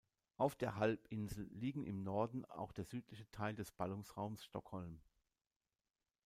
Auf der Halbinsel liegen im Norden auch der südliche Teil des Ballungsraums Stockholm.